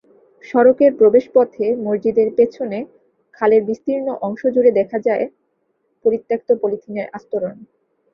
সড়কের প্রবেশপথে মসজিদের পেছনে খালের বিস্তীর্ণ অংশজুড়ে দেখা যায় পরিত্যক্ত পলিথিনের আস্তরণ।